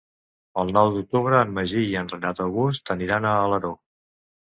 El nou d'octubre en Magí i en Renat August aniran a Alaró.